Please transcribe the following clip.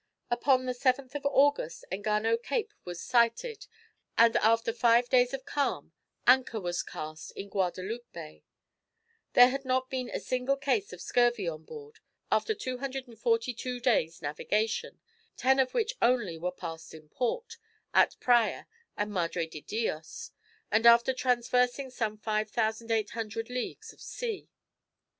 Upon the 7th of August Engano Cape was sighted, and after five days of calm anchor was cast in Guadaloupe Bay. There had not been a single case of scurvy on board, after 242 days' navigation, ten of which only were passed in port, at Praya and Madre de Dios, and after traversing some 5800 leagues of sea.